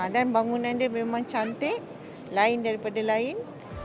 dan bangunannya memang cantik lain daripada lain